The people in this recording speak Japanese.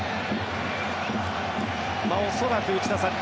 恐らく内田さん